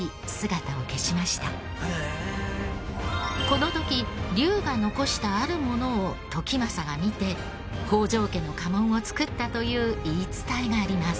この時龍が残したあるものを時政が見て北条家の家紋を作ったという言い伝えがあります。